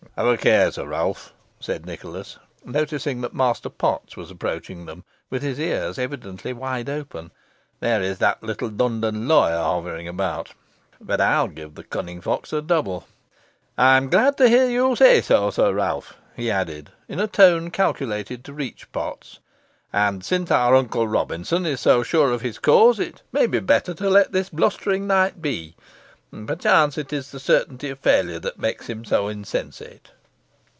"Have a care, Sir Ralph," said Nicholas, noticing that Master Potts was approaching them, with his ears evidently wide open, "there is that little London lawyer hovering about. But I'll give the cunning fox a double. I'm glad to hear you say so, Sir Ralph," he added, in a tone calculated to reach Potts, "and since our uncle Robinson is so sure of his cause, it may be better to let this blustering knight be. Perchance, it is the certainty of failure that makes him so insensate."